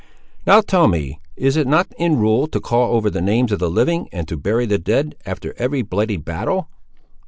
"Now tell me, is it not in rule, to call over the names of the living, and to bury the dead, after every bloody battle?"